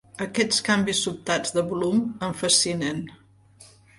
Aquests canvis sobtats de volum em fascinen.